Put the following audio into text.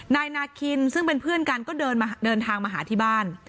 นายนาคินซึ่งเป็นเพื่อนกันก็เดินทางมาหาที่บ้าน